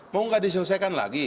mau gak diselesaikan lagi